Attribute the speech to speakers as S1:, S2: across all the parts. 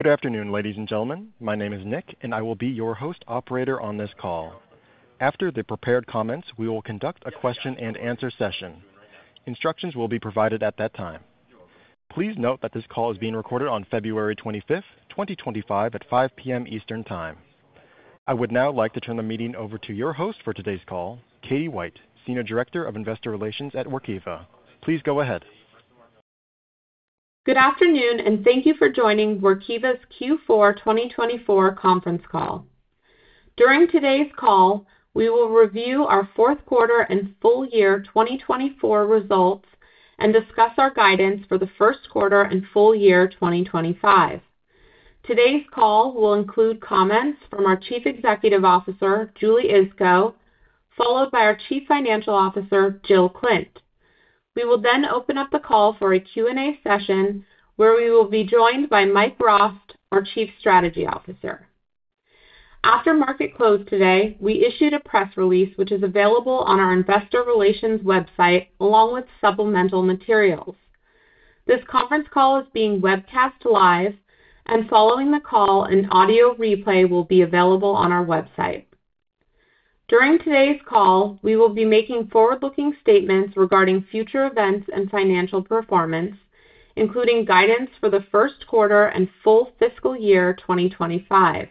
S1: Good afternoon, ladies and gentlemen. My name is Nick, and I will be your host operator on this call. After the prepared comments, we will conduct a question-and-answer session. Instructions will be provided at that time. Please note that this call is being recorded on February 25th, 2025, at 5:00 P.M. Eastern Time. I would now like to turn the meeting over to your host for today's call, Katie White, Senior Director of investor relations at Workiva. Please go ahead.
S2: Good afternoon, and thank you for joining Workiva's Q4 2024 Conference Call. During today's call, we will review our fourth quarter and full year 2024 results and discuss our guidance for the first quarter and full year 2025. Today's call will include comments from our Chief Executive Officer, Julie Iskow, followed by our Chief Financial Officer, Jill Klindt. We will then open up the call for a Q&A session where we will be joined by Mike Rost, our Chief Strategy Officer. After market close today, we issued a press release which is available on our Investor Relations website along with supplemental materials. This conference call is being webcast live, and following the call, an audio replay will be available on our website. During today's call, we will be making forward-looking statements regarding future events and financial performance, including guidance for the first quarter and full fiscal year 2025.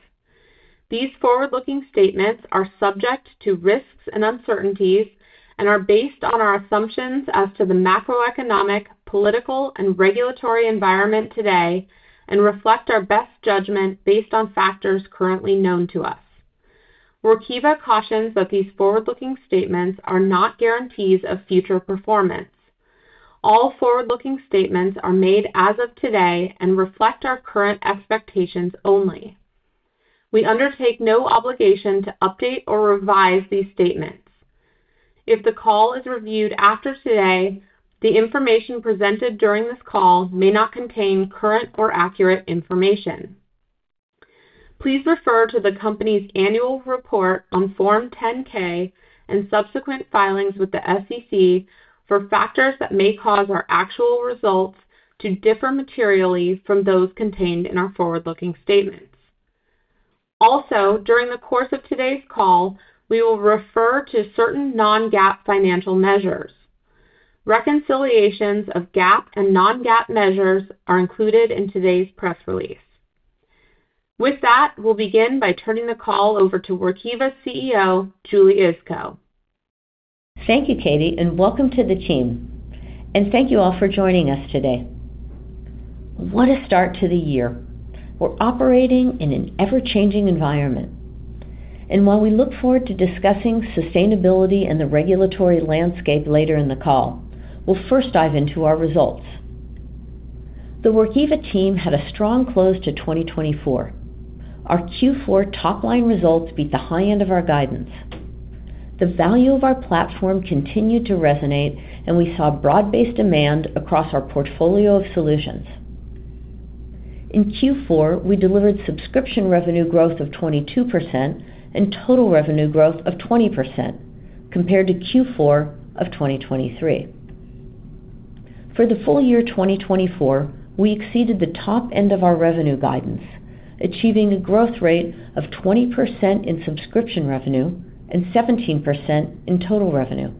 S2: These forward-looking statements are subject to risks and uncertainties and are based on our assumptions as to the macroeconomic, political, and regulatory environment today and reflect our best judgment based on factors currently known to us. Workiva cautions that these forward-looking statements are not guarantees of future performance. All forward-looking statements are made as of today and reflect our current expectations only. We undertake no obligation to update or revise these statements. If the call is reviewed after today, the information presented during this call may not contain current or accurate information. Please refer to the company's annual report on Form 10-K and subsequent filings with the SEC for factors that may cause our actual results to differ materially from those contained in our forward-looking statements. Also, during the course of today's call, we will refer to certain non-GAAP financial measures.
S3: Thank you, Katie, and welcome to the team, and thank you all for joining us today. What a start to the year. We're operating in an ever-changing environment, and while we look forward to discussing sustainability and the regulatory landscape later in the call, we'll first dive into our results. The Workiva team had a strong close to 2024. Our Q4 top-line results beat the high end of our guidance. The value of our platform continued to resonate, and we saw broad-based demand across our portfolio of solutions. In Q4, we delivered subscription revenue growth of 22% and total revenue growth of 20% compared to Q4 of 2023. For the full year 2024, we exceeded the top end of our revenue guidance, achieving a growth rate of 20% in subscription revenue and 17% in total revenue.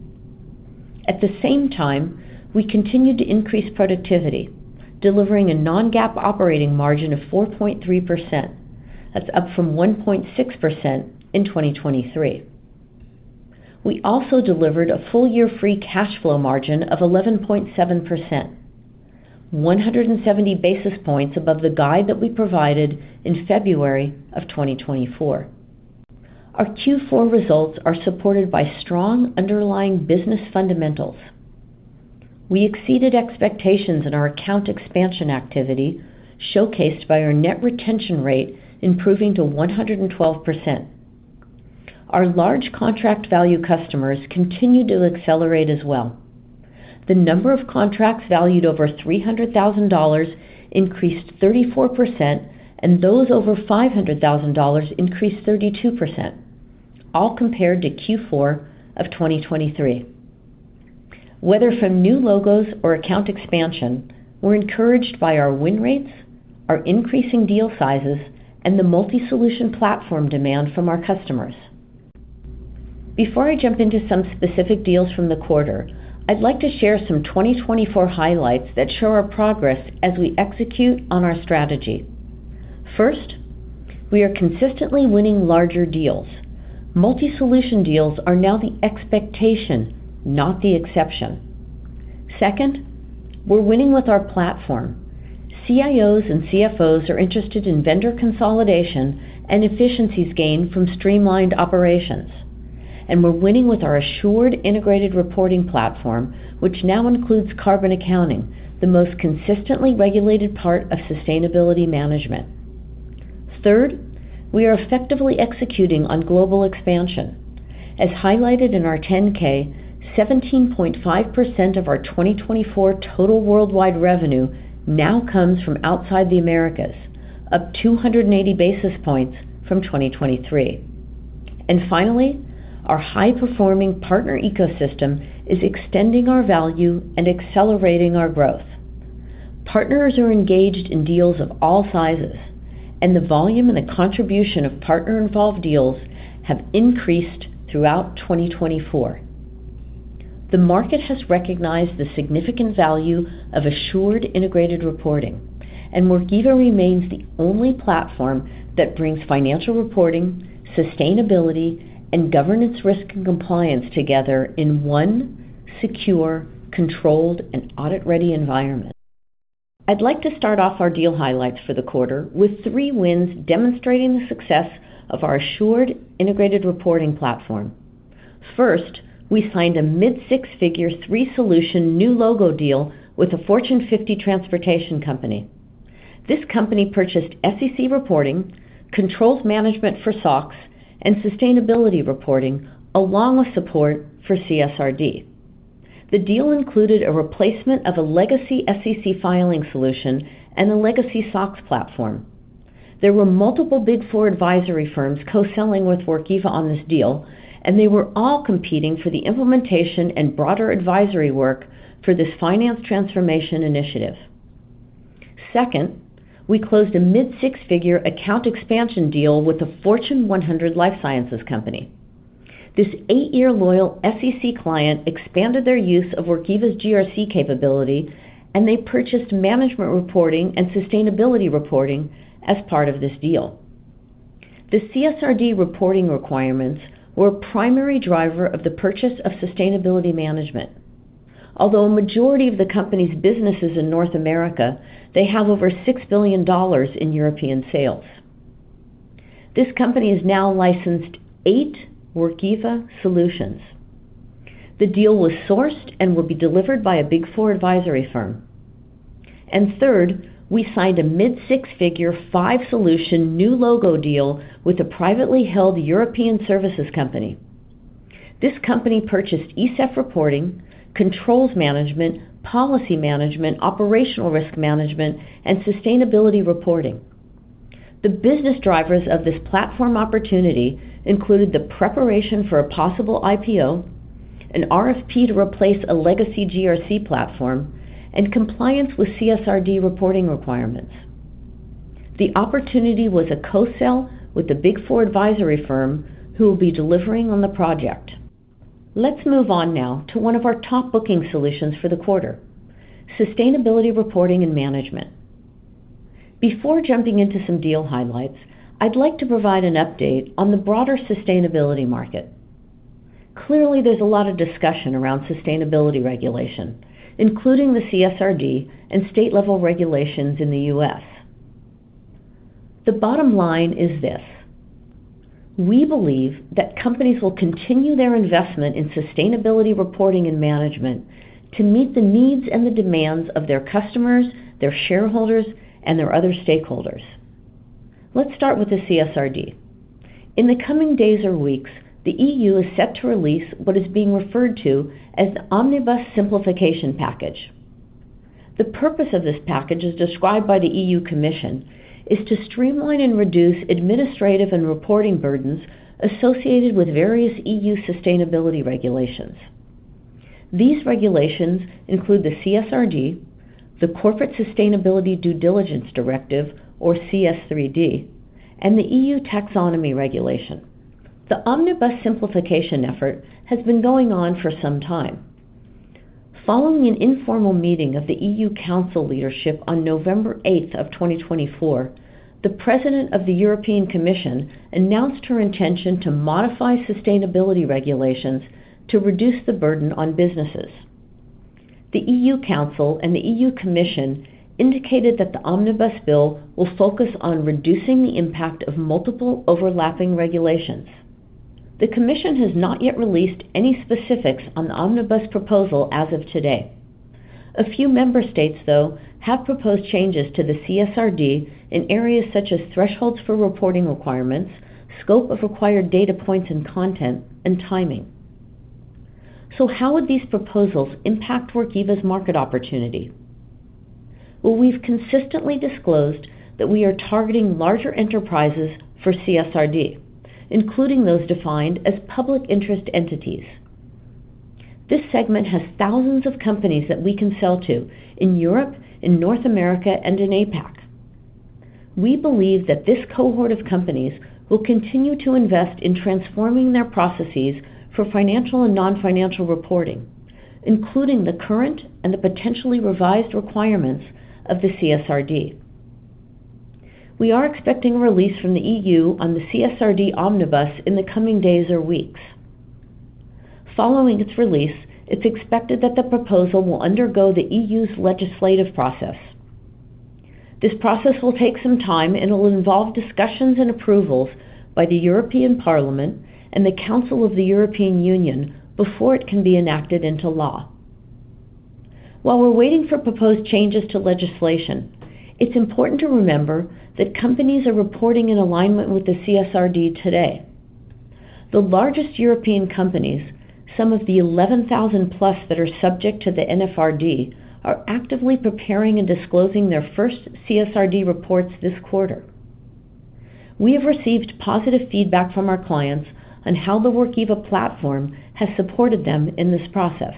S3: At the same time, we continued to increase productivity, delivering a Non-GAAP operating margin of 4.3%. That's up from 1.6% in 2023. We also delivered a full-year free cash flow margin of 11.7%, 170 basis points above the guide that we provided in February of 2024. Our Q4 results are supported by strong underlying business fundamentals. We exceeded expectations in our account expansion activity, showcased by our net retention rate improving to 112%. Our large contract value customers continued to accelerate as well. The number of contracts valued over $300,000 increased 34%, and those over $500,000 increased 32%, all compared to Q4 of 2023. Whether from new logos or account expansion, we're encouraged by our win rates, our increasing deal sizes, and the multi-solution platform demand from our customers. Before I jump into some specific deals from the quarter, I'd like to share some 2024 highlights that show our progress as we execute on our strategy. First, we are consistently winning larger deals. Multi-solution deals are now the expectation, not the exception. Second, we're winning with our platform. CIOs and CFOs are interested in vendor consolidation and efficiencies gained from streamlined operations. And we're winning with our Assured Integrated Reporting platform, which now includes carbon accounting, the most consistently regulated part of sustainability management. Third, we are effectively executing on global expansion. As highlighted in our 10-K, 17.5% of our 2024 total worldwide revenue now comes from outside the Americas, up 280 basis points from 2023. And finally, our high-performing partner ecosystem is extending our value and accelerating our growth. Partners are engaged in deals of all sizes, and the volume and the contribution of partner-involved deals have increased throughout 2024. The market has recognized the significant value of Assured Integrated Reporting, and Workiva remains the only platform that brings financial reporting, sustainability, and Governance, Risk, and Compliance together in one secure, controlled, and audit-ready environment. I'd like to start off our deal highlights for the quarter with three wins demonstrating the success of our Assured Integrated Reporting platform. First, we signed a mid-six-figure three-solution new logo deal with a Fortune 50 transportation company. This company purchased SEC reporting, controls management for SOX, and sustainability reporting, along with support for CSRD. The deal included a replacement of a legacy SEC filing solution and a legacy SOX platform. There were multiple Big Four advisory firms co-selling with Workiva on this deal, and they were all competing for the implementation and broader advisory work for this finance transformation initiative. Second, we closed a mid-six-figure account expansion deal with a Fortune 100 life sciences company. This eight-year loyal SEC client expanded their use of Workiva's GRC capability, and they purchased management reporting and sustainability reporting as part of this deal. The CSRD reporting requirements were a primary driver of the purchase of sustainability management. Although a majority of the company's business is in North America, they have over $6 billion in European sales. This company is now licensed eight Workiva solutions. The deal was sourced and will be delivered by a Big Four advisory firm. and third, we signed a mid-six-figure five-solution new logo deal with a privately held European services company. This company purchased ESEF reporting, controls management, policy management, operational risk management, and sustainability reporting. The business drivers of this platform opportunity included the preparation for a possible IPO, an RFP to replace a legacy GRC platform, and compliance with CSRD reporting requirements. The opportunity was a co-sale with a Big Four advisory firm who will be delivering on the project. Let's move on now to one of our top booking solutions for the quarter, sustainability reporting and management. Before jumping into some deal highlights, I'd like to provide an update on the broader sustainability market. Clearly, there's a lot of discussion around sustainability regulation, including the CSRD and state-level regulations in the U.S. The bottom line is this: we believe that companies will continue their investment in sustainability reporting and management to meet the needs and the demands of their customers, their shareholders, and their other stakeholders. Let's start with the CSRD. In the coming days or weeks, the EU is set to release what is being referred to as the Omnibus Simplification Package. The purpose of this package, as described by the European Commission, is to streamline and reduce administrative and reporting burdens associated with various EU sustainability regulations. These regulations include the CSRD, the Corporate Sustainability Due Diligence Directive, or CS3D, and the EU Taxonomy Regulation. The Omnibus Simplification effort has been going on for some time. Following an informal meeting of the Council of the European Union leadership on November 8th of 2024, the President of the European Commission announced her intention to modify sustainability regulations to reduce the burden on businesses. The Council of the European Union and the European Commission indicated that the Omnibus bill will focus on reducing the impact of multiple overlapping regulations. The Commission has not yet released any specifics on the Omnibus proposal as of today. A few member states, though, have proposed changes to the CSRD in areas such as thresholds for reporting requirements, scope of required data points and content, and timing. So how would these proposals impact Workiva's market opportunity? Well, we've consistently disclosed that we are targeting larger enterprises for CSRD, including those defined as public interest entities. This segment has thousands of companies that we can sell to in Europe, in North America, and in APAC. We believe that this cohort of companies will continue to invest in transforming their processes for financial and non-financial reporting, including the current and the potentially revised requirements of the CSRD. We are expecting a release from the EU on the CSRD Omnibus in the coming days or weeks. Following its release, it's expected that the proposal will undergo the EU's legislative process. This process will take some time and will involve discussions and approvals by the European Parliament and the Council of the European Union before it can be enacted into law. While we're waiting for proposed changes to legislation, it's important to remember that companies are reporting in alignment with the CSRD today. The largest European companies, some of the 11,000 plus that are subject to the NFRD, are actively preparing and disclosing their first CSRD reports this quarter. We have received positive feedback from our clients on how the Workiva platform has supported them in this process.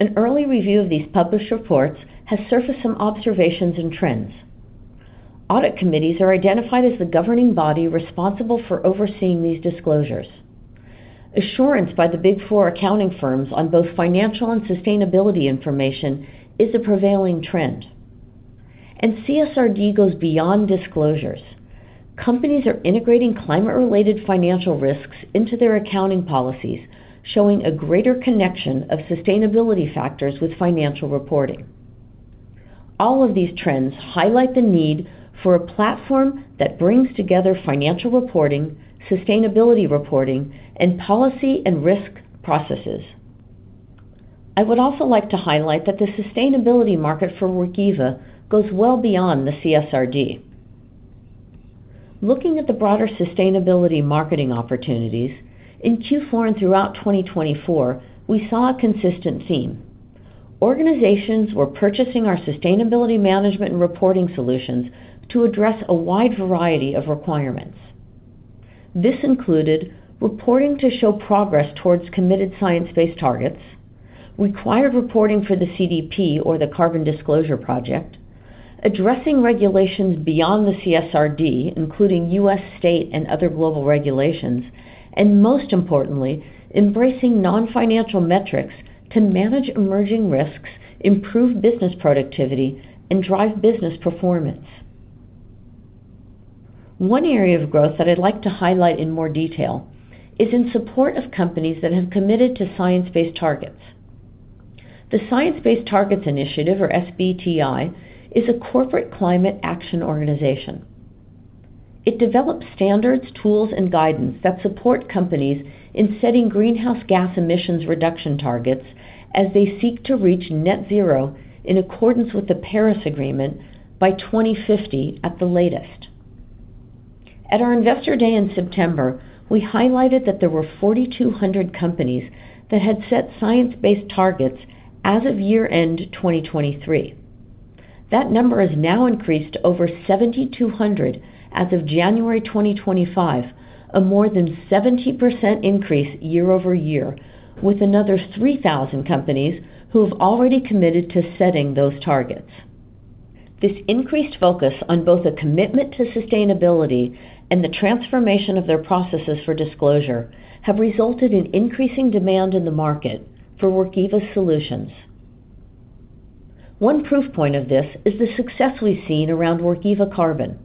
S3: An early review of these published reports has surfaced some observations and trends. Audit committees are identified as the governing body responsible for overseeing these disclosures. Assurance by the Big Four accounting firms on both financial and sustainability information is a prevailing trend, and CSRD goes beyond disclosures. Companies are integrating climate-related financial risks into their accounting policies, showing a greater connection of sustainability factors with financial reporting. All of these trends highlight the need for a platform that brings together financial reporting, sustainability reporting, and policy and risk processes. I would also like to highlight that the sustainability market for Workiva goes well beyond the CSRD. Looking at the broader sustainability marketing opportunities, in Q4 and throughout 2024, we saw a consistent theme. Organizations were purchasing our sustainability management and reporting solutions to address a wide variety of requirements. This included reporting to show progress towards committed science-based targets, required reporting for the CDP or the Carbon Disclosure Project, addressing regulations beyond the CSRD, including U.S., state, and other global regulations, and most importantly, embracing non-financial metrics to manage emerging risks, improve business productivity, and drive business performance. One area of growth that I'd like to highlight in more detail is in support of companies that have committed to science-based targets. Science Based Targets initiative, or SBTi, is a corporate climate action organization. It develops standards, tools, and guidance that support companies in setting greenhouse gas emissions reduction targets as they seek to reach net zero in accordance with the Paris Agreement by 2050 at the latest. At our Investor Day in September, we highlighted that there were 4,200 companies that had set science-based targets as of year-end 2023. That number has now increased to over 7,200 as of January 2025, a more than 70% increase year over year, with another 3,000 companies who have already committed to setting those targets. This increased focus on both a commitment to sustainability and the transformation of their processes for disclosure has resulted in increasing demand in the market for Workiva's solutions. One proof point of this is the success we've seen around Workiva Carbon.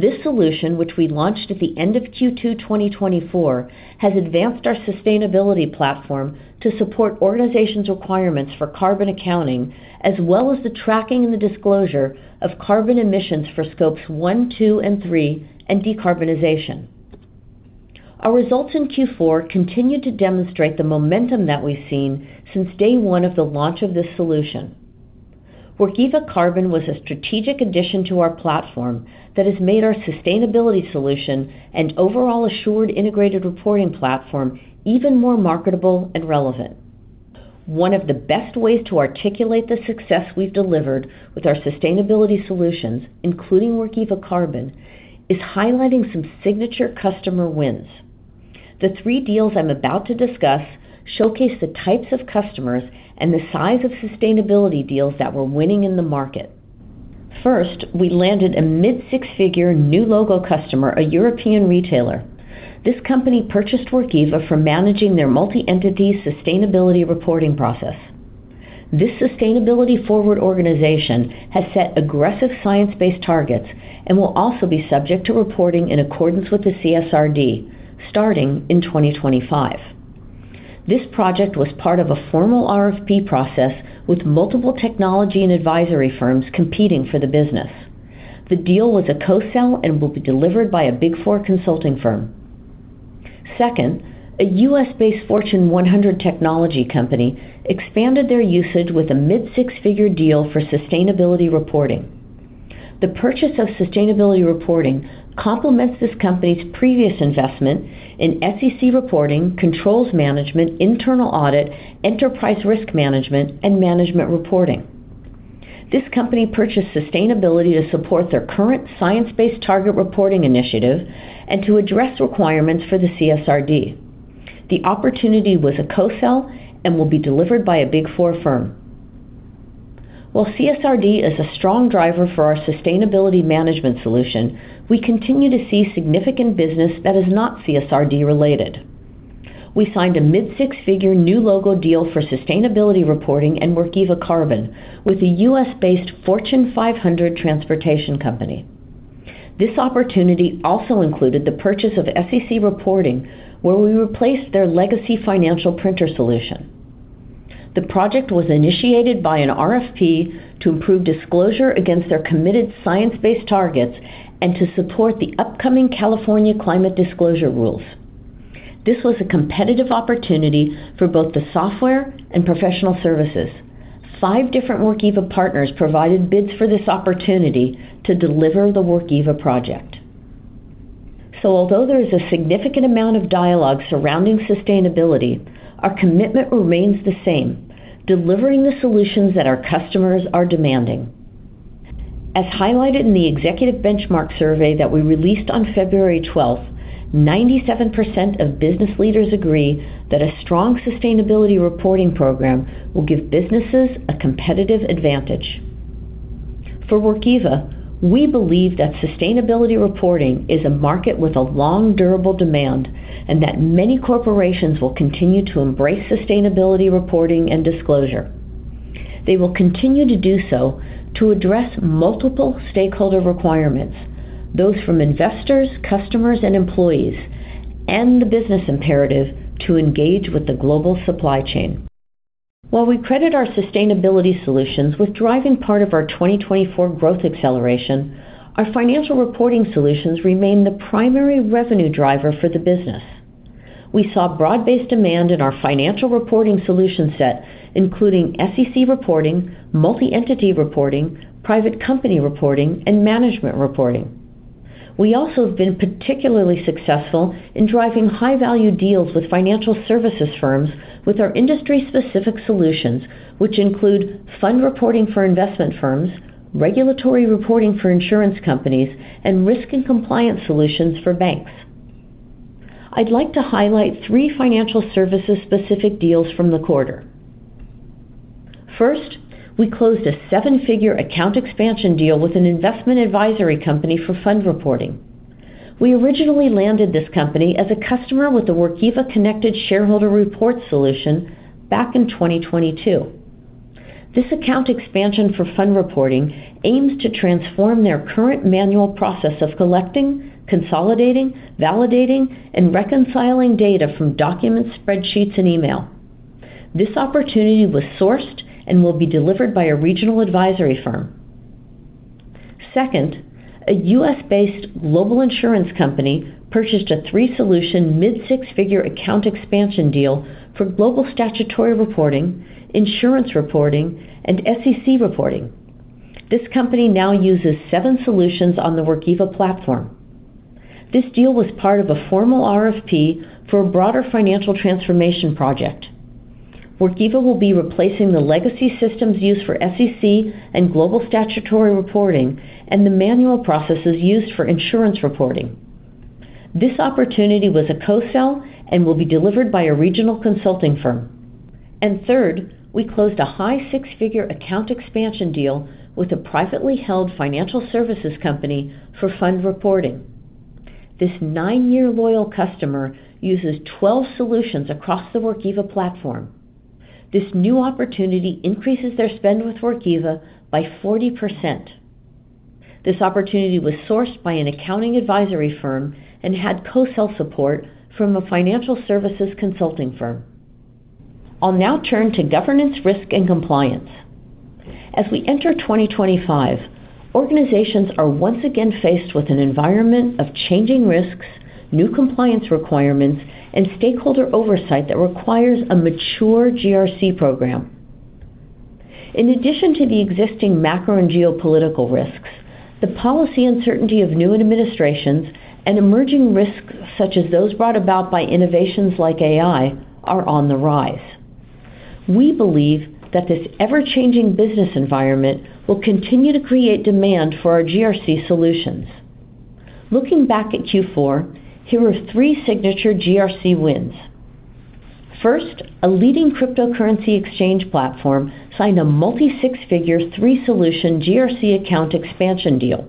S3: This solution, which we launched at the end of Q2 2024, has advanced our sustainability platform to support organizations' requirements for carbon accounting, as well as the tracking and the disclosure of carbon emissions for Scope 1, Scope 2, and Scope 3, and decarbonization. Our results in Q4 continue to demonstrate the momentum that we've seen since day one of the launch of this solution. Workiva Carbon was a strategic addition to our platform that has made our sustainability solution and overall Assured Integrated Reporting platform even more marketable and relevant. One of the best ways to articulate the success we've delivered with our sustainability solutions, including Workiva Carbon, is highlighting some signature customer wins. The three deals I'm about to discuss showcase the types of customers and the size of sustainability deals that we're winning in the market. First, we landed a mid-six-figure new logo customer, a European retailer. This company purchased Workiva for managing their multi-entity sustainability reporting process. This sustainability-forward organization has set aggressive science-based targets and will also be subject to reporting in accordance with the CSRD, starting in 2025. This project was part of a formal RFP process with multiple technology and advisory firms competing for the business. The deal was a co-sale and will be delivered by a Big Four consulting firm. Second, a U.S.-based Fortune 100 technology company expanded their usage with a mid-six-figure deal for sustainability reporting. The purchase of sustainability reporting complements this company's previous investment in SEC reporting, controls management, internal audit, enterprise risk management, and management reporting. This company purchased sustainability to support their current science-based target reporting initiative and to address requirements for the CSRD. The opportunity was a co-sale and will be delivered by a Big Four firm. While CSRD is a strong driver for our sustainability management solution, we continue to see significant business that is not CSRD related. We signed a mid-six-figure new logo deal for sustainability reporting and Workiva Carbon with a U.S.-based Fortune 500 transportation company. This opportunity also included the purchase of SEC reporting, where we replaced their legacy financial printer solution. The project was initiated by an RFP to improve disclosure against their committed science-based targets and to support the upcoming California climate disclosure rules. This was a competitive opportunity for both the software and professional services. Five different Workiva partners provided bids for this opportunity to deliver the Workiva project. So although there is a significant amount of dialogue surrounding sustainability, our commitment remains the same, delivering the solutions that our customers are demanding. As highlighted in the Executive Benchmark Survey that we released on February 12th, 97% of business leaders agree that a strong sustainability reporting program will give businesses a competitive advantage. For Workiva, we believe that sustainability reporting is a market with a long, durable demand and that many corporations will continue to embrace sustainability reporting and disclosure. They will continue to do so to address multiple stakeholder requirements, those from investors, customers, and employees, and the business imperative to engage with the global supply chain. While we credit our sustainability solutions with driving part of our 2024 growth acceleration, our financial reporting solutions remain the primary revenue driver for the business. We saw broad-based demand in our financial reporting solution set, including SEC reporting, multi-entity reporting, private company reporting, and management reporting. We also have been particularly successful in driving high-value deals with financial services firms with our industry-specific solutions, which include fund reporting for investment firms, regulatory reporting for insurance companies, and risk and compliance solutions for banks. I'd like to highlight three financial services-specific deals from the quarter. First, we closed a seven-figure account expansion deal with an investment advisory company for fund reporting. We originally landed this company as a customer with the Workiva Connected Shareholder Report solution back in 2022. This account expansion for fund reporting aims to transform their current manual process of collecting, consolidating, validating, and reconciling data from documents, spreadsheets, and email. This opportunity was sourced and will be delivered by a regional advisory firm. Second, a U.S.-based global insurance company purchased a three-solution mid-six-figure account expansion deal for global statutory reporting, insurance reporting, and SEC reporting. This company now uses seven solutions on the Workiva platform. This deal was part of a formal RFP for a broader financial transformation project. Workiva will be replacing the legacy systems used for SEC and global statutory reporting and the manual processes used for insurance reporting. This opportunity was a co-sale and will be delivered by a regional consulting firm. Third, we closed a high six-figure account expansion deal with a privately held financial services company for fund reporting. This nine-year loyal customer uses 12 solutions across the Workiva platform. This new opportunity increases their spend with Workiva by 40%. This opportunity was sourced by an accounting advisory firm and had co-sale support from a financial services consulting firm. I'll now turn to governance, risk, and compliance. As we enter 2025, organizations are once again faced with an environment of changing risks, new compliance requirements, and stakeholder oversight that requires a mature GRC program. In addition to the existing macro and geopolitical risks, the policy uncertainty of new administrations and emerging risks such as those brought about by innovations like AI are on the rise. We believe that this ever-changing business environment will continue to create demand for our GRC solutions. Looking back at Q4, here are three signature GRC wins. First, a leading cryptocurrency exchange platform signed a multi-six-figure three-solution GRC account expansion deal.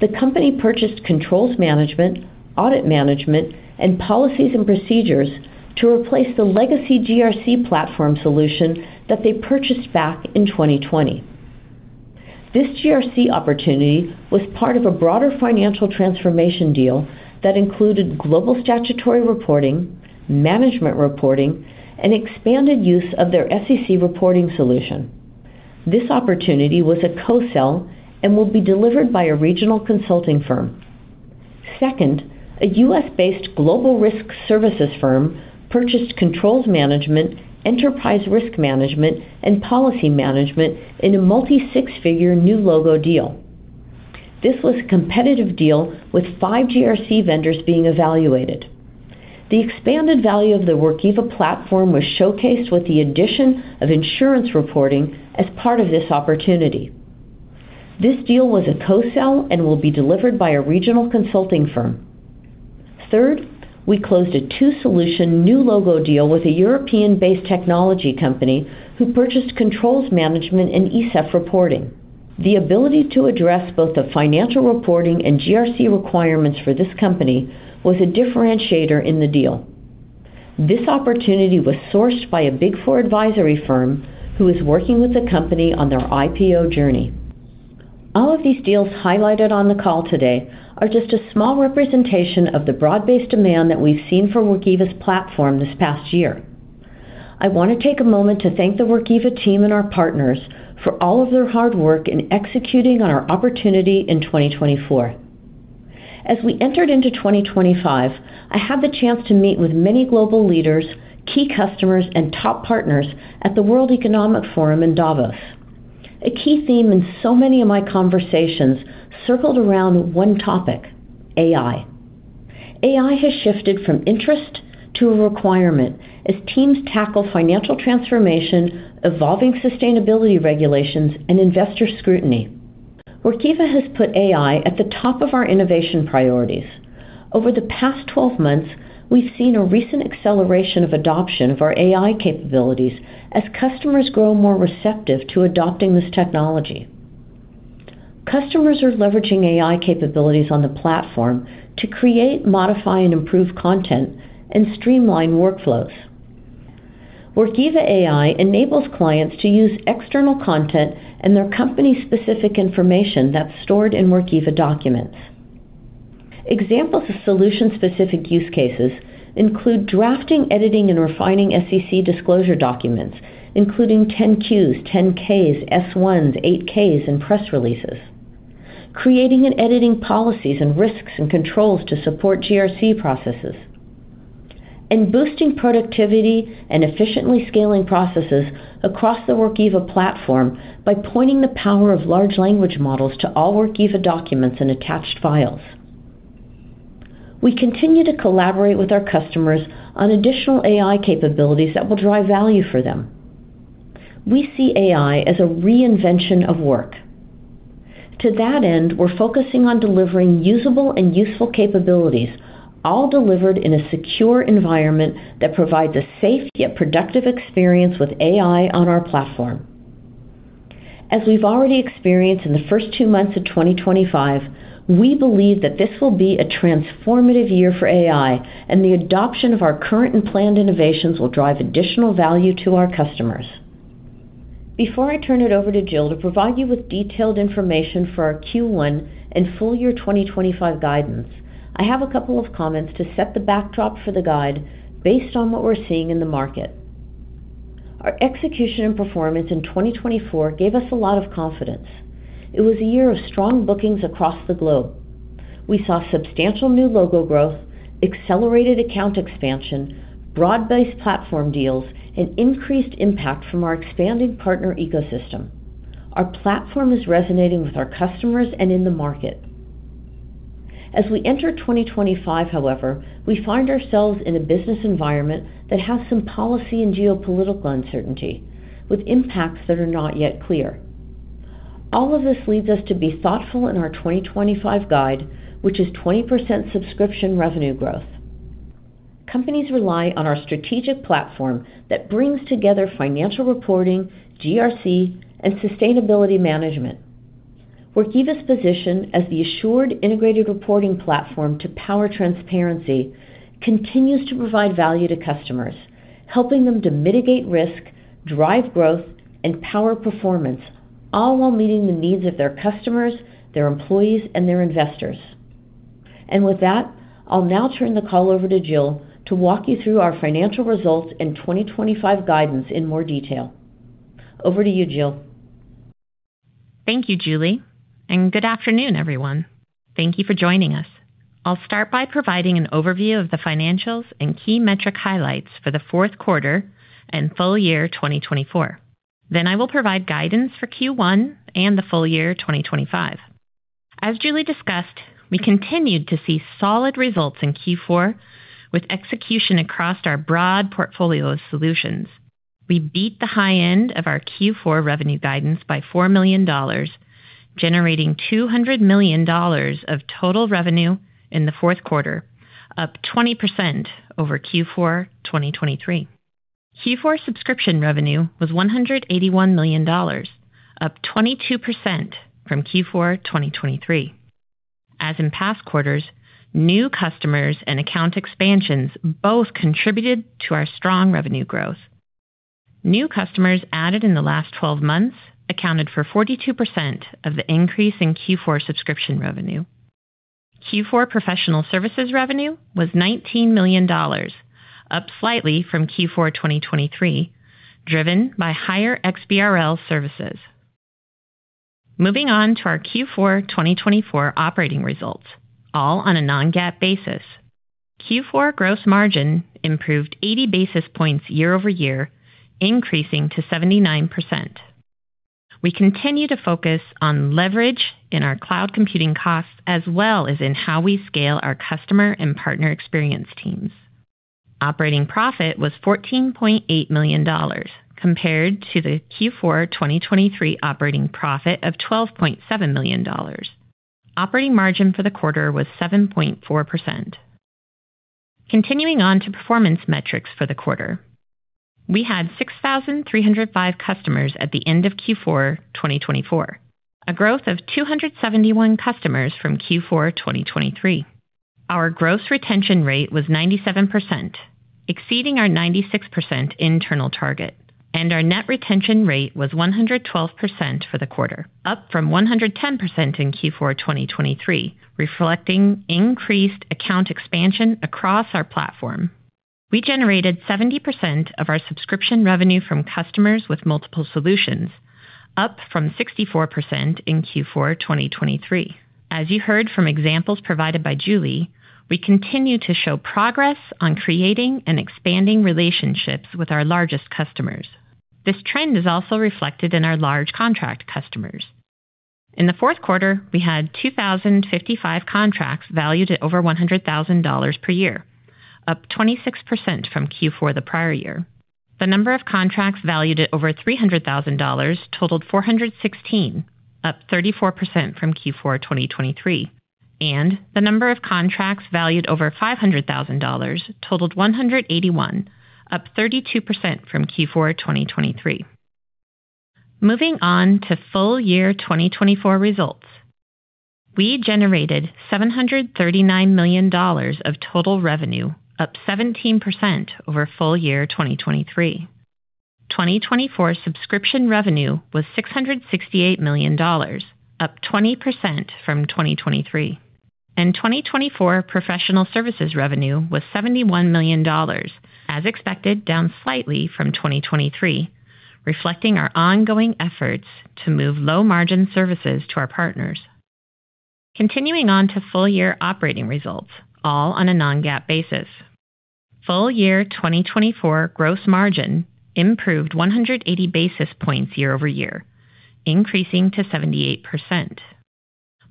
S3: The company purchased controls management, audit management, and policies and procedures to replace the legacy GRC platform solution that they purchased back in 2020. This GRC opportunity was part of a broader financial transformation deal that included global statutory reporting, management reporting, and expanded use of their SEC reporting solution. This opportunity was a co-sale and will be delivered by a regional consulting firm. Second, a U.S.-based global risk services firm purchased controls management, enterprise risk management, and policy management in a multi-six-figure new logo deal. This was a competitive deal with five GRC vendors being evaluated. The expanded value of the Workiva platform was showcased with the addition of insurance reporting as part of this opportunity. This deal was a co-sale and will be delivered by a regional consulting firm. Third, we closed a two-solution new logo deal with a European-based technology company who purchased controls management and ESEF reporting. The ability to address both the financial reporting and GRC requirements for this company was a differentiator in the deal. This opportunity was sourced by a Big Four advisory firm who is working with the company on their IPO journey. All of these deals highlighted on the call today are just a small representation of the broad-based demand that we've seen for Workiva's platform this past year. I want to take a moment to thank the Workiva team and our partners for all of their hard work in executing on our opportunity in 2024. As we entered into 2025, I had the chance to meet with many global leaders, key customers, and top partners at the World Economic Forum in Davos. A key theme in so many of my conversations circled around one topic: AI. AI has shifted from interest to a requirement as teams tackle financial transformation, evolving sustainability regulations, and investor scrutiny. Workiva has put AI at the top of our innovation priorities. Over the past 12 months, we've seen a recent acceleration of adoption of our AI capabilities as customers grow more receptive to adopting this technology. Customers are leveraging AI capabilities on the platform to create, modify, and improve content and streamline workflows. Workiva AI enables clients to use external content and their company-specific information that's stored in Workiva documents. Examples of solution-specific use cases include drafting, editing, and refining SEC disclosure documents, including 10-Qs, 10-Ks, S-1s, 8-Ks, and press releases, creating and editing policies and risks and controls to support GRC processes, and boosting productivity and efficiently scaling processes across the Workiva platform by pointing the power of large language models to all Workiva documents and attached files. We continue to collaborate with our customers on additional AI capabilities that will drive value for them. We see AI as a reinvention of work. To that end, we're focusing on delivering usable and useful capabilities, all delivered in a secure environment that provides a safe yet productive experience with AI on our platform. As we've already experienced in the first two months of 2025, we believe that this will be a transformative year for AI, and the adoption of our current and planned innovations will drive additional value to our customers. Before I turn it over to Jill to provide you with detailed information for our Q1 and full year 2025 guidance, I have a couple of comments to set the backdrop for the guide based on what we're seeing in the market. Our execution and performance in 2024 gave us a lot of confidence. It was a year of strong bookings across the globe. We saw substantial new logo growth, accelerated account expansion, broad-based platform deals, and increased impact from our expanding partner ecosystem. Our platform is resonating with our customers and in the market. As we enter 2025, however, we find ourselves in a business environment that has some policy and geopolitical uncertainty, with impacts that are not yet clear. All of this leads us to be thoughtful in our 2025 guidance, which is 20% subscription revenue growth. Companies rely on our strategic platform that brings together financial reporting, GRC, and sustainability management. Workiva's position as the Assured Integrated Reporting platform to power transparency continues to provide value to customers, helping them to mitigate risk, drive growth, and power performance, all while meeting the needs of their customers, their employees, and their investors. And with that, I'll now turn the call over to Jill to walk you through our financial results and 2025 guidance in more detail. Over to you, Jill.
S4: Thank you, Julie. And good afternoon, everyone. Thank you for joining us. I'll start by providing an overview of the financials and key metric highlights for the fourth quarter and full year 2024. Then I will provide guidance for Q1 and the full year 2025. As Julie discussed, we continued to see solid results in Q4 with execution across our broad portfolio of solutions. We beat the high end of our Q4 revenue guidance by $4 million, generating $200 million of total revenue in the fourth quarter, up 20% over Q4 2023. Q4 subscription revenue was $181 million, up 22% from Q4 2023. As in past quarters, new customers and account expansions both contributed to our strong revenue growth. New customers added in the last 12 months accounted for 42% of the increase in Q4 subscription revenue. Q4 professional services revenue was $19 million, up slightly from Q4 2023, driven by higher XBRL services. Moving on to our Q4 2024 operating results, all on a Non-GAAP basis. Q4 gross margin improved 80 basis points year over year, increasing to 79%. We continue to focus on leverage in our cloud computing costs as well as in how we scale our customer and partner experience teams. Operating profit was $14.8 million, compared to the Q4 2023 operating profit of $12.7 million. Operating margin for the quarter was 7.4%. Continuing on to performance metrics for the quarter. We had 6,305 customers at the end of Q4 2024, a growth of 271 customers from Q4 2023. Our gross retention rate was 97%, exceeding our 96% internal target, and our net retention rate was 112% for the quarter, up from 110% in Q4 2023, reflecting increased account expansion across our platform. We generated 70% of our subscription revenue from customers with multiple solutions, up from 64% in Q4 2023. As you heard from examples provided by Julie, we continue to show progress on creating and expanding relationships with our largest customers. This trend is also reflected in our large contract customers. In the fourth quarter, we had 2,055 contracts valued at over $100,000 per year, up 26% from Q4 the prior year. The number of contracts valued at over $300,000 totaled 416, up 34% from Q4 2023. And the number of contracts valued over $500,000 totaled 181, up 32% from Q4 2023. Moving on to full year 2024 results. We generated $739 million of total revenue, up 17% over full year 2023. 2024 subscription revenue was $668 million, up 20% from 2023. And 2024 professional services revenue was $71 million, as expected, down slightly from 2023, reflecting our ongoing efforts to move low-margin services to our partners. Continuing on to full year operating results, all on a non-GAAP basis. Full year 2024 gross margin improved 180 basis points year over year, increasing to 78%.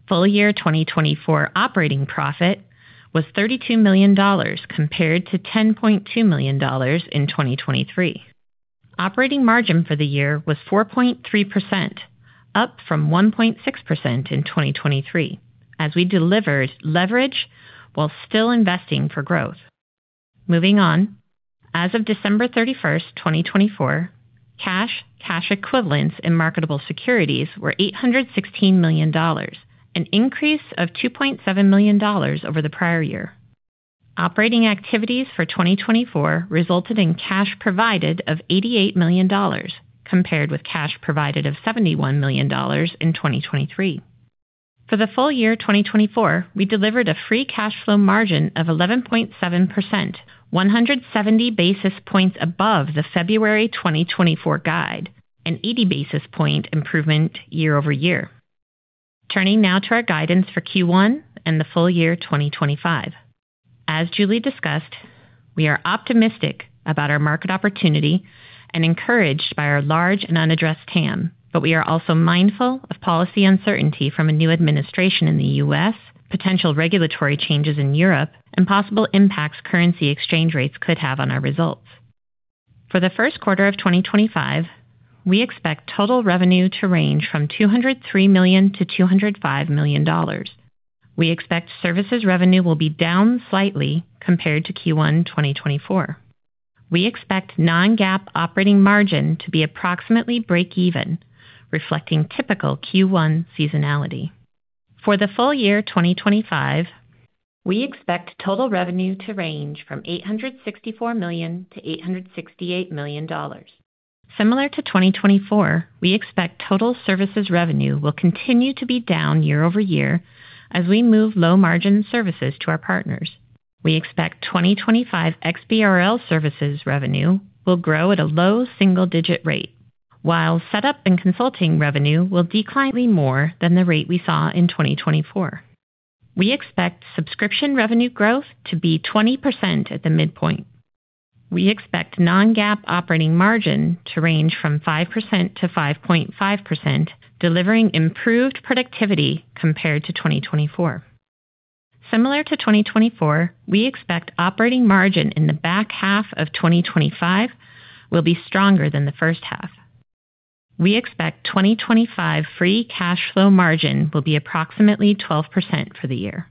S4: Full year 2024 operating profit was $32 million compared to $10.2 million in 2023. Operating margin for the year was 4.3%, up from 1.6% in 2023, as we delivered leverage while still investing for growth. Moving on, as of December 31st, 2024, cash, cash equivalents, and marketable securities were $816 million, an increase of $2.7 million over the prior year. Operating activities for 2024 resulted in cash provided of $88 million, compared with cash provided of $71 million in 2023. For the full year 2024, we delivered a free cash flow margin of 11.7%, 170 basis points above the February 2024 guide, an 80 basis point improvement year over year. Turning now to our guidance for Q1 and the full year 2025. As Julie discussed, we are optimistic about our market opportunity and encouraged by our large and unaddressed TAM. But we are also mindful of policy uncertainty from a new administration in the U.S., potential regulatory changes in Europe, and possible impacts currency exchange rates could have on our results. For the first quarter of 2025, we expect total revenue to range from $203 million-$205 million. We expect services revenue will be down slightly compared to Q1 2024. We expect non-GAAP operating margin to be approximately break-even, reflecting typical Q1 seasonality. For the full year 2025, we expect total revenue to range from $864 million-$868 million. Similar to 2024, we expect total services revenue will continue to be down year over year as we move low-margin services to our partners. We expect 2025 XBRL services revenue will grow at a low single-digit rate, while setup and consulting revenue will decline more than the rate we saw in 2024. We expect subscription revenue growth to be 20% at the midpoint. We expect non-GAAP operating margin to range from 5% to 5.5%, delivering improved productivity compared to 2024. Similar to 2024, we expect operating margin in the back half of 2025 will be stronger than the first half. We expect 2025 free cash flow margin will be approximately 12% for the year.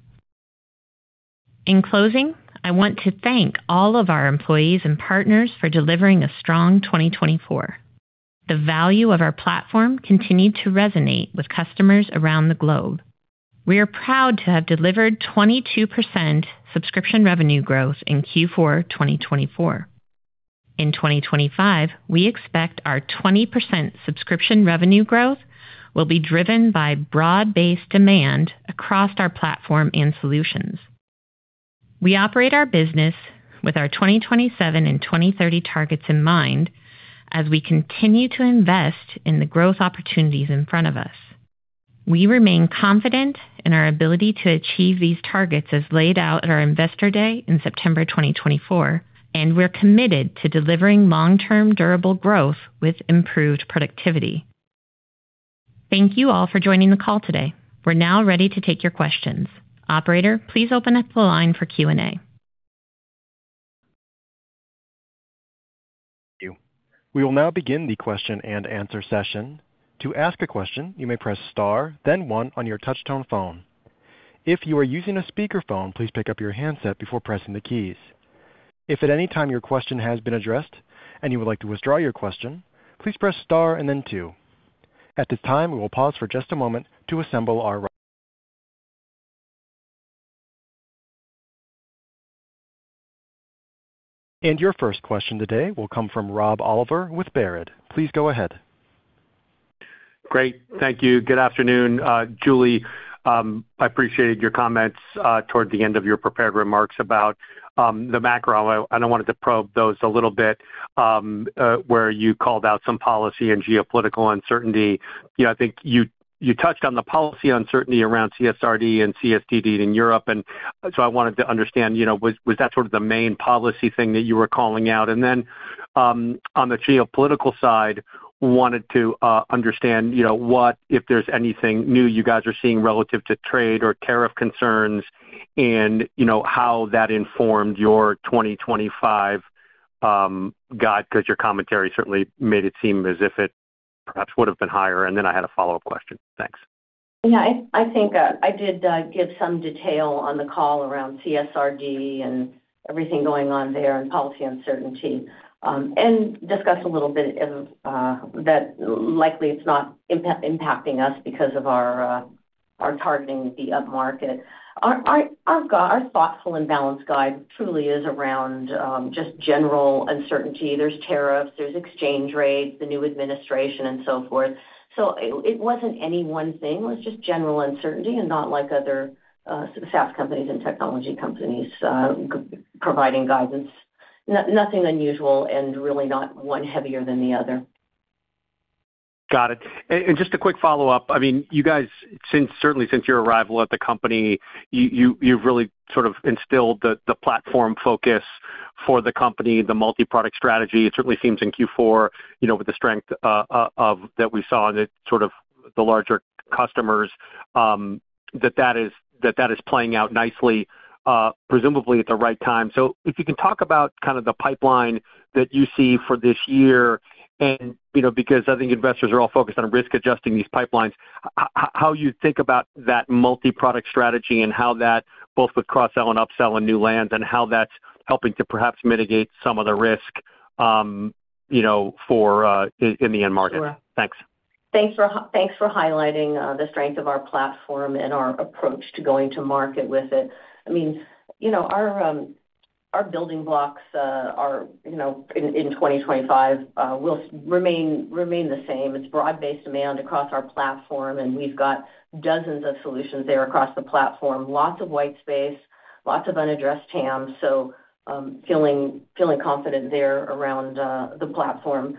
S4: In closing, I want to thank all of our employees and partners for delivering a strong 2024. The value of our platform continued to resonate with customers around the globe. We are proud to have delivered 22% subscription revenue growth in Q4 2024. In 2025, we expect our 20% subscription revenue growth will be driven by broad-based demand across our platform and solutions. We operate our business with our 2027 and 2030 targets in mind as we continue to invest in the growth opportunities in front of us. We remain confident in our ability to achieve these targets as laid out at our Investor Day in September 2024, and we're committed to delivering long-term durable growth with improved productivity. Thank you all for joining the call today. We're now ready to take your questions. Operator, please open up the line for Q&A.
S1: Thank you. We will now begin the question and answer session. To ask a question, you may press star, then one on your touch-tone phone. If you are using a speakerphone, please pick up your handset before pressing the keys. If at any time your question has been addressed and you would like to withdraw your question, please press star and then two. At this time, we will pause for just a moment to assemble our first question today. It will come from Rob Oliver with Baird. Please go ahead.
S5: Great. Thank you. Good afternoon, Julie. I appreciated your comments toward the end of your prepared remarks about the macro. I don't want to probe those a little bit where you called out some policy and geopolitical uncertainty. I think you touched on the policy uncertainty around CSRD and CS3D in Europe. And so I wanted to understand, was that sort of the main policy thing that you were calling out? And then on the geopolitical side, I wanted to understand what, if there's anything new you guys are seeing relative to trade or tariff concerns and how that informed your 2025 guide, because your commentary certainly made it seem as if it perhaps would have been higher? And then I had a follow-up question.
S3: Thanks. Yeah, I think I did give some detail on the call around CSRD and everything going on there and policy uncertainty and discussed a little bit that likely it's not impacting us because of our targeting the upmarket. Our thoughtful and balanced guide truly is around just general uncertainty. There's tariffs, there's exchange rates, the new administration, and so forth. So it wasn't any one thing. It was just general uncertainty and not like other SaaS companies and technology companies providing guidance. Nothing unusual and really not one heavier than the other.
S5: Got it. And just a quick follow-up. I mean, you guys, certainly since your arrival at the company, you've really sort of instilled the platform focus for the company, the multi-product strategy. It certainly seems in Q4, with the strength that we saw in the larger customers, that that is playing out nicely, presumably at the right time. So if you can talk about kind of the pipeline that you see for this year, and because I think investors are all focused on risk-adjusting these pipelines, how you think about that multi-product strategy and how that, both with cross-sell and upsell and new lands, and how that's helping to perhaps mitigate some of the risk in the end market. Thanks.
S3: Thanks for highlighting the strength of our platform and our approach to going to market with it. I mean, our building blocks in 2025 will remain the same. It's broad-based demand across our platform, and we've got dozens of solutions there across the platform, lots of white space, lots of unaddressed TAM. So feeling confident there around the platform.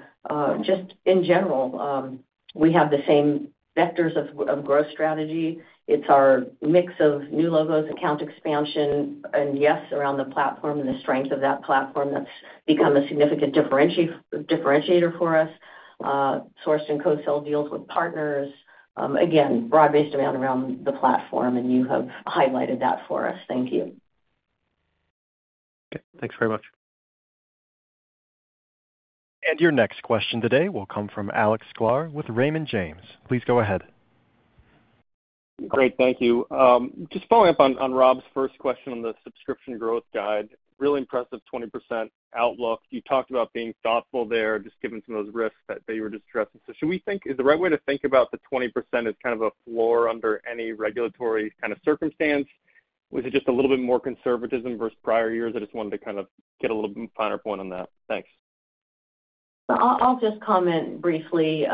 S3: Just in general, we have the same vectors of growth strategy. It's our mix of new logos, account expansion, and yes, around the platform and the strength of that platform that's become a significant differentiator for us. Sourced and co-sell deals with partners. Again, broad-based demand around the platform, and you have highlighted that for us. Thank you.
S5: Thanks very much.
S1: And your next question today will come from Alex Sklar with Raymond James. Please go ahead.
S6: Great. Thank you. Just following up on Rob's first question on the subscription growth guide, really impressive 20% outlook. You talked about being thoughtful there, just given some of those risks that you were just addressing. So, should we think, is the right way to think about the 20% as kind of a floor under any regulatory kind of circumstance? Was it just a little bit more conservatism versus prior years? I just wanted to kind of get a little finer point on that. Thanks.
S3: I'll just comment briefly.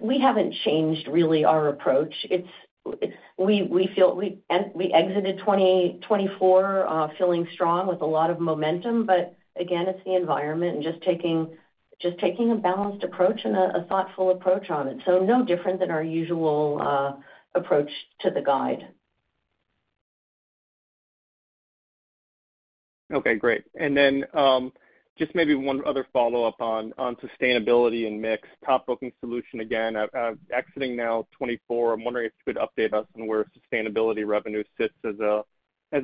S3: We haven't changed really our approach. We exited 2024 feeling strong with a lot of momentum, but again, it's the environment and just taking a balanced approach and a thoughtful approach on it. So no different than our usual approach to the guide.
S6: Okay. Great. And then just maybe one other follow-up on sustainability and mix. Top booking solution again, exiting now 24. I'm wondering if you could update us on where sustainability revenue sits as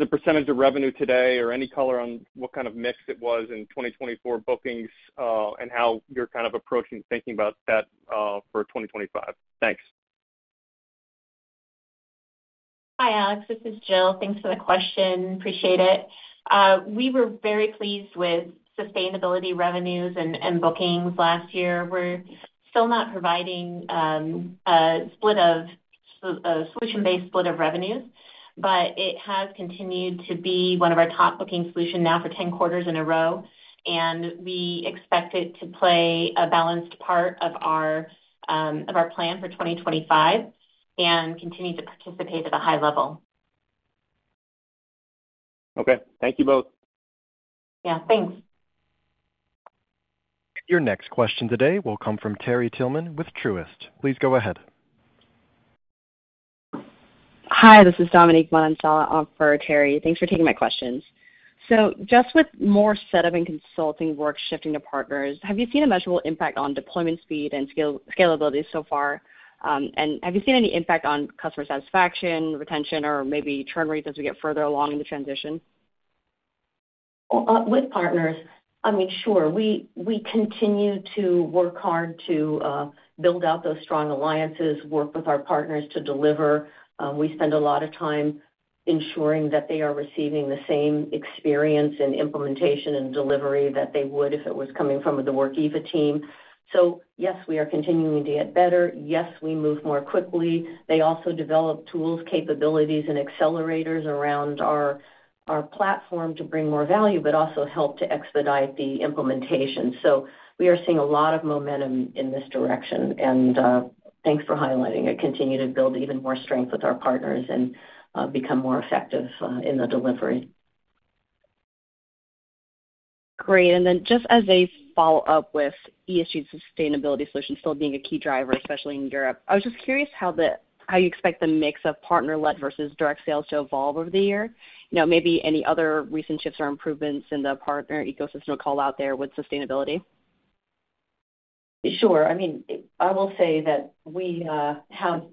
S6: a percentage of revenue today or any color on what kind of mix it was in 2024 bookings and how you're kind of approaching thinking about that for 2025. Thanks.
S4: Hi, Alex. This is Jill. Thanks for the question. Appreciate it. We were very pleased with sustainability revenues and bookings last year. We're still not providing a solution-based split of revenues, but it has continued to be one of our top booking solutions now for 10 quarters in a row. And we expect it to play a balanced part of our plan for 2025 and continue to participate at a high level.
S6: Okay. Thank you both.
S4: Yeah. Thanks.
S1: Your next question today will come from Terry Tillman with Truist. Please go ahead.
S7: Hi. This is Dominique Manansala for Terry. Thanks for taking my questions. So just with more setup and consulting work shifting to partners, have you seen a measurable impact on deployment speed and scalability so far? And have you seen any impact on customer satisfaction, retention, or maybe churn rates as we get further along in the transition?
S3: With partners, I mean, sure. We continue to work hard to build out those strong alliances, work with our partners to deliver. We spend a lot of time ensuring that they are receiving the same experience and implementation and delivery that they would if it was coming from the Workiva team. So yes, we are continuing to get better. Yes, we move more quickly. They also develop tools, capabilities, and accelerators around our platform to bring more value, but also help to expedite the implementation. So we are seeing a lot of momentum in this direction. And thanks for highlighting it. Continue to build even more strength with our partners and become more effective in the delivery.
S7: Great. And then just as a follow-up with ESG sustainability solutions still being a key driver, especially in Europe, I was just curious how you expect the mix of partner-led versus direct sales to evolve over the year. Maybe any other recent shifts or improvements in the partner ecosystem to call out there with sustainability?
S3: Sure. I mean, I will say that we have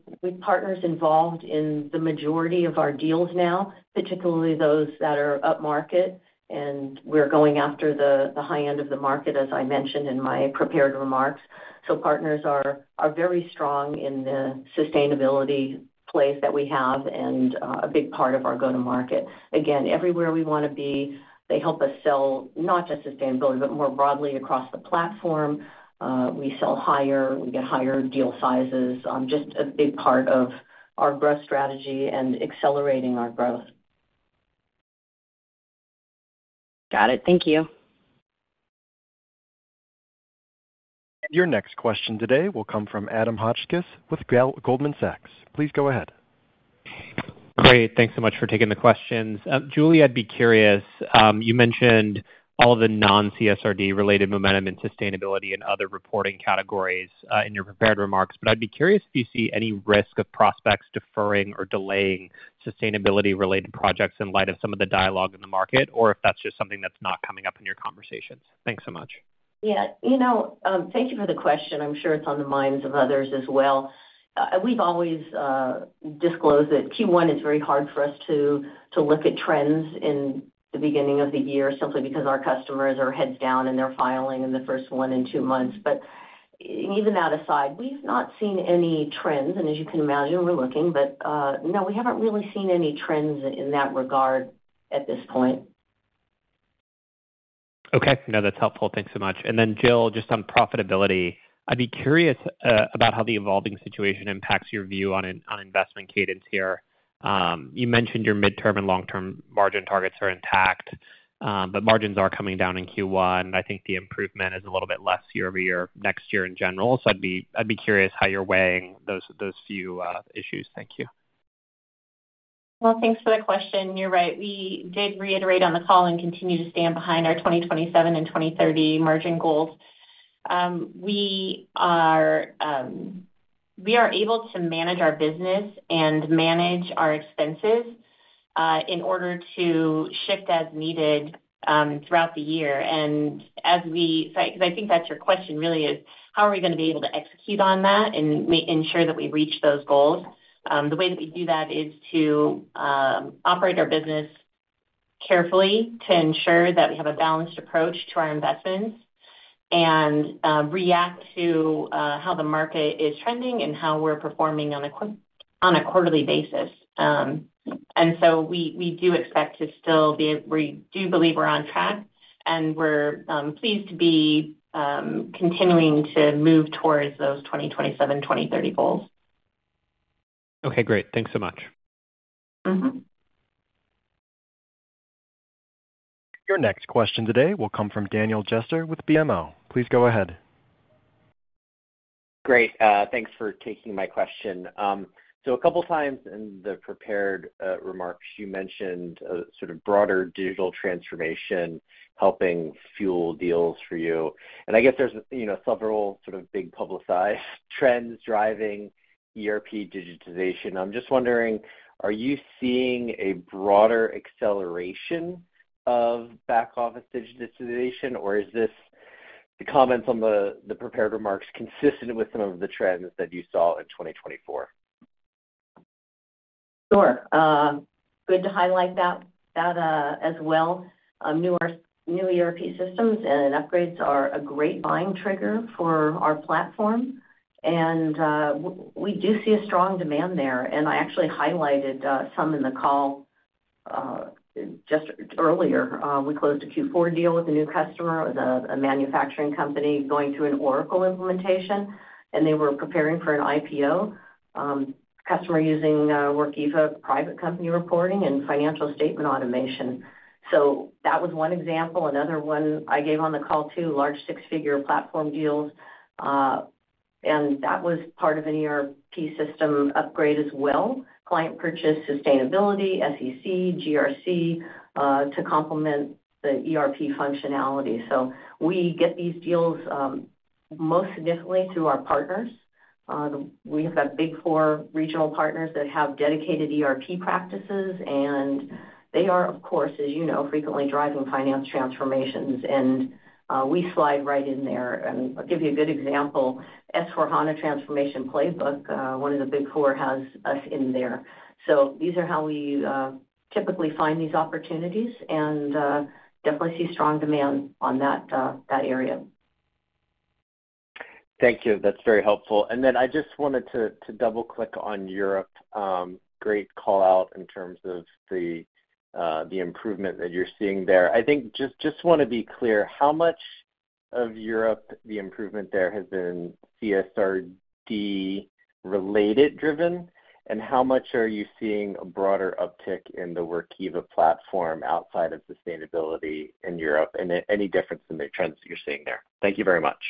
S3: partners involved in the majority of our deals now, particularly those that are upmarket, and we're going after the high end of the market, as I mentioned in my prepared remarks. So partners are very strong in the sustainability place that we have and a big part of our go-to-market. Again, everywhere we want to be, they help us sell not just sustainability, but more broadly across the platform. We sell higher. We get higher deal sizes. Just a big part of our growth strategy and accelerating our growth.
S7: Got it. Thank you.
S1: And your next question today will come from Adam Hotchkiss with Goldman Sachs. Please go ahead.
S8: Great. Thanks so much for taking the questions. Julie, I'd be curious. You mentioned all the non-CSRD-related momentum in sustainability and other reporting categories in your prepared remarks, but I'd be curious if you see any risk of prospects deferring or delaying sustainability-related projects in light of some of the dialogue in the market, or if that's just something that's not coming up in your conversations. Thanks so much.
S3: Yeah. Thank you for the question. I'm sure it's on the minds of others as well. We've always disclosed that Q1 is very hard for us to look at trends in the beginning of the year simply because our customers are heads down and they're filing in the first one in two months, but even that aside, we've not seen any trends. And as you can imagine, we're looking, but no, we haven't really seen any trends in that regard at this point.
S8: Okay. No, that's helpful. Thanks so much, and then, Jill, just on profitability, I'd be curious about how the evolving situation impacts your view on investment cadence here. You mentioned your midterm and long-term margin targets are intact, but margins are coming down in Q1. I think the improvement is a little bit less year over year next year in general, so I'd be curious how you're weighing those few issues. Thank you.
S4: Well, thanks for the question. You're right. We did reiterate on the call and continue to stand behind our 2027 and 2030 margin goals. We are able to manage our business and manage our expenses in order to shift as needed throughout the year, and because I think that's your question really is, how are we going to be able to execute on that and ensure that we reach those goals? The way that we do that is to operate our business carefully to ensure that we have a balanced approach to our investments and react to how the market is trending and how we're performing on a quarterly basis, and so we do expect to still be able to do believe we're on track, and we're pleased to be continuing to move towards those 2027, 2030 goals.
S8: Okay. Great. Thanks so much.
S1: Your next question today will come from Daniel Jester with BMO. Please go ahead.
S9: Great. Thanks for taking my question. So a couple of times in the prepared remarks, you mentioned sort of broader digital transformation helping fuel deals for you. And I guess there's several sort of big publicized trends driving ERP digitization. I'm just wondering, are you seeing a broader acceleration of back-office digitization, or is this comments on the prepared remarks consistent with some of the trends that you saw in 2024?
S3: Sure. Good to highlight that as well. New ERP systems and upgrades are a great buying trigger for our platform. And we do see a strong demand there. And I actually highlighted some in the call just earlier. We closed a Q4 deal with a new customer with a manufacturing company going through an Oracle implementation, and they were preparing for an IPO customer using Workiva private company reporting and financial statement automation. So that was one example. Another one I gave on the call too: large six-figure platform deals. That was part of an ERP system upgrade as well. Client purchase sustainability, SEC, GRC to complement the ERP functionality. We get these deals most significantly through our partners. We have Big Four regional partners that have dedicated ERP practices, and they are, of course, as you know, frequently driving finance transformations. We slide right in there. I'll give you a good example. S/4HANA transformation playbook, one of the Big Four has us in there. These are how we typically find these opportunities and definitely see strong demand in that area.
S9: Thank you. That's very helpful. I just wanted to double-click on Europe. Great call-out in terms of the improvement that you're seeing there. I think just want to be clear, how much of Europe, the improvement there has been CSRD-related driven, and how much are you seeing a broader uptick in the Workiva platform outside of sustainability in Europe and any difference in the trends that you're seeing there? Thank you very much.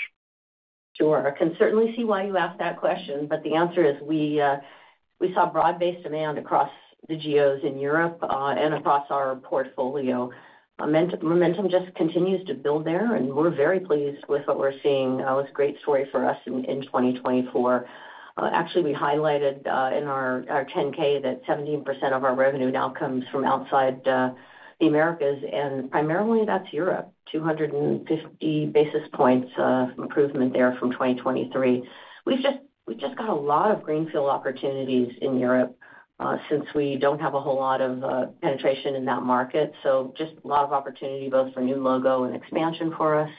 S3: Sure. I can certainly see why you asked that question, but the answer is we saw broad-based demand across the GRCs in Europe and across our portfolio. Momentum just continues to build there, and we're very pleased with what we're seeing. It was a great story for us in 2024. Actually, we highlighted in our 10-K that 17% of our revenue now comes from outside the Americas, and primarily that's Europe, 250 basis points improvement there from 2023. We've just got a lot of greenfield opportunities in Europe since we don't have a whole lot of penetration in that market. So just a lot of opportunity both for new logo and expansion for us.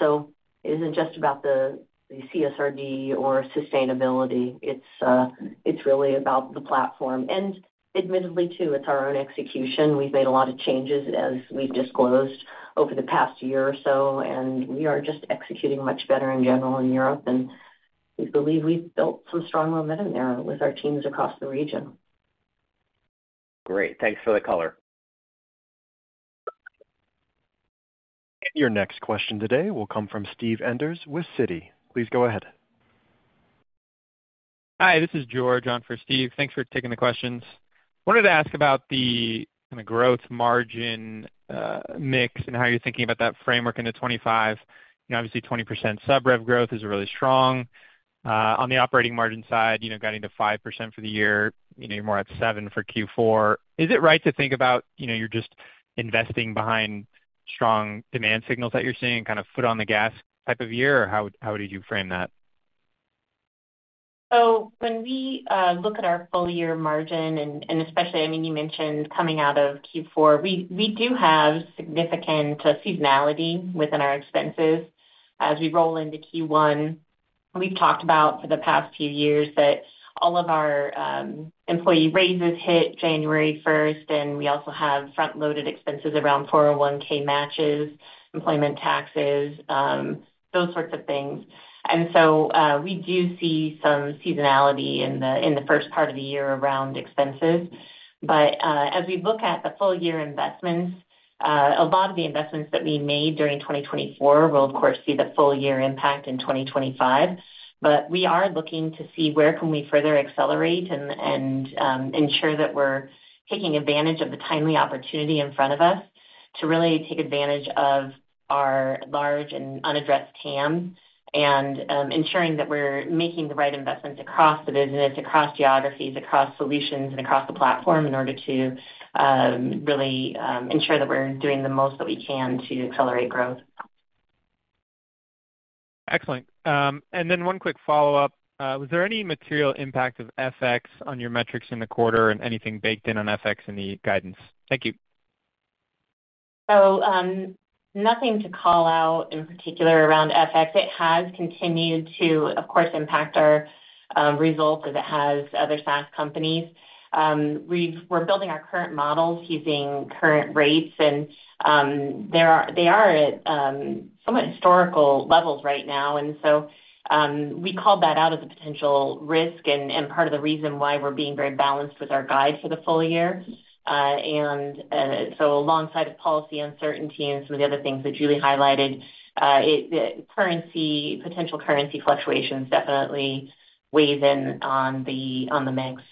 S3: So it isn't just about the CSRD or sustainability. It's really about the platform. And admittedly, too, it's our own execution. We've made a lot of changes, as we've disclosed, over the past year or so, and we are just executing much better in general in Europe. And we believe we've built some strong momentum there with our teams across the region.
S9: Great. Thanks for the color.
S1: And your next question today will come from Steve Enders with Citi. Please go ahead.
S10: Hi. This is George on, for Steve. Thanks for taking the questions. Wanted to ask about the kind of growth margin mix and how you're thinking about that framework in the 2025. Obviously, 20% sub-rev growth is really strong. On the operating margin side, got into 5% for the year. You're more at 7% for Q4. Is it right to think about you're just investing behind strong demand signals that you're seeing and kind of foot on the gas type of year? Or how would you frame that?
S4: So when we look at our full-year margin, and especially, I mean, you mentioned coming out of Q4, we do have significant seasonality within our expenses as we roll into Q1. We've talked about for the past few years that all of our employee raises hit January 1st, and we also have front-loaded expenses around 401(k) matches, employment taxes, those sorts of things. And so we do see some seasonality in the first part of the year around expenses. But as we look at the full-year investments, a lot of the investments that we made during 2024 will, of course, see the full-year impact in 2025. But we are looking to see where we can further accelerate and ensure that we're taking advantage of the timely opportunity in front of us to really take advantage of our large and unaddressed TAM and ensuring that we're making the right investments across the business, across geographies, across solutions, and across the platform in order to really ensure that we're doing the most that we can to accelerate growth.
S10: Excellent. And then one quick follow-up. Was there any material impact of FX on your metrics in the quarter and anything baked in on FX in the guidance? Thank you.
S3: So nothing to call out in particular around FX. It has continued to, of course, impact our results as it has other SaaS companies. We're building our current models using current rates, and they are at somewhat historical levels right now. And so we called that out as a potential risk and part of the reason why we're being very balanced with our guide for the full year. And so alongside of policy uncertainty and some of the other things that Julie highlighted, potential currency fluctuations definitely weigh in on the mix.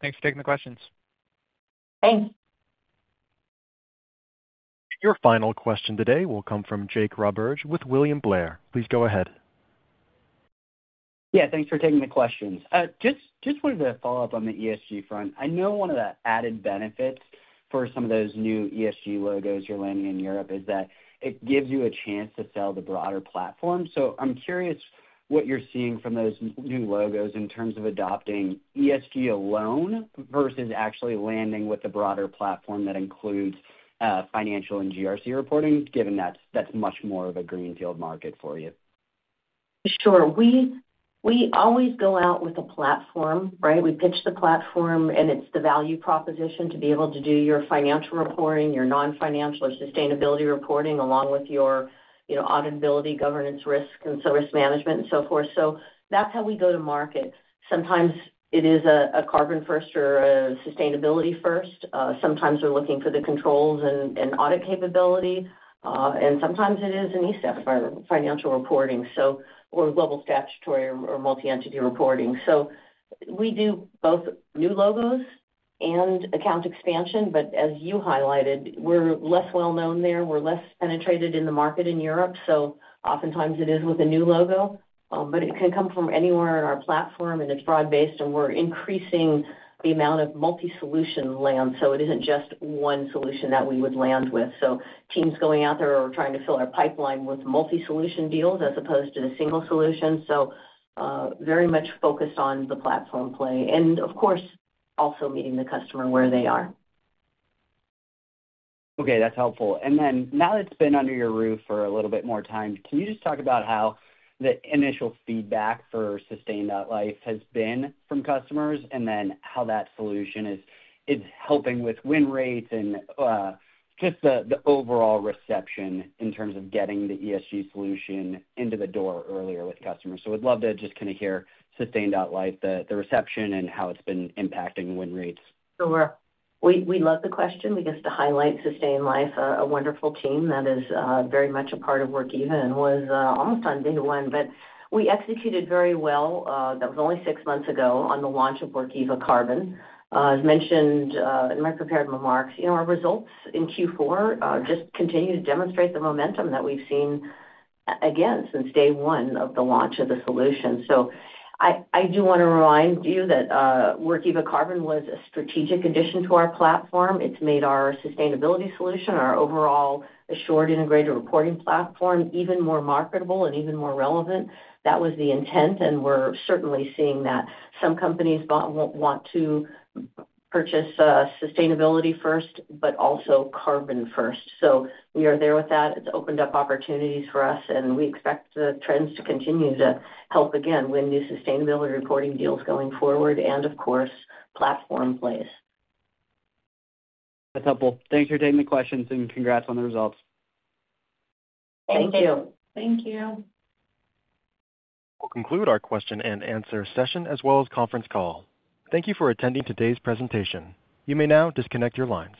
S10: Great. Thanks for taking the questions.
S3: Thanks.
S1: Your final question today will come from Jake Roberge with William Blair. Please go ahead.
S11: Yeah. Thanks for taking the questions. Just wanted to follow up on the ESG front. I know one of the added benefits for some of those new ESG logos you're landing in Europe is that it gives you a chance to sell the broader platform. So I'm curious what you're seeing from those new logos in terms of adopting ESG alone versus actually landing with a broader platform that includes financial and GRC reporting, given that that's much more of a greenfield market for you.
S3: Sure. We always go out with a platform, right? We pitch the platform, and it's the value proposition to be able to do your financial reporting, your non-financial or sustainability reporting, along with your auditability, governance, risk, and so risk management and so forth. So that's how we go to market. Sometimes it is a carbon-first or a sustainability-first. Sometimes we're looking for the controls and audit capability. And sometimes it is an ESEF or financial reporting or global statutory or multi-entity reporting. So we do both new logos and account expansion. But as you highlighted, we're less well-known there. We're less penetrated in the market in Europe. So, oftentimes it is with a new logo, but it can come from anywhere in our platform, and it's broad-based, and we're increasing the amount of multi-solution land. So it isn't just one solution that we would land with. So teams going out there are trying to fill our pipeline with multi-solution deals as opposed to the single solution. So very much focused on the platform play and, of course, also meeting the customer where they are.
S11: Okay. That's helpful. And then now that it's been under your roof for a little bit more time, can you just talk about how the initial feedback for Sustain.Life has been from customers and then how that solution is helping with win rates and just the overall reception in terms of getting the ESG solution into the door earlier with customers? So we'd love to just kind of hear Sustain.Life, the reception, and how it's been impacting win rates?
S3: Sure. We love the question. We get to highlight Sustain.Life, a wonderful team that is very much a part of Workiva and was almost on day one, but we executed very well. That was only six months ago on the launch of Workiva Carbon. As mentioned in my prepared remarks, our results in Q4 just continue to demonstrate the momentum that we've seen again since day one of the launch of the solution. So I do want to remind you that Workiva Carbon was a strategic addition to our platform. It's made our sustainability solution, our overall Assured Integrated Reporting platform, even more marketable and even more relevant. That was the intent, and we're certainly seeing that. Some companies want to purchase sustainability first, but also carbon first. So we are there with that. It's opened up opportunities for us, and we expect the trends to continue to help again win new sustainability reporting deals going forward and, of course, platform plays.
S11: That's helpful. Thanks for taking the questions and congrats on the results.
S3: Thank you.
S4: Thank you.
S1: We'll conclude our question and answer session as well as conference call. Thank you for attending today's presentation. You may now disconnect your lines.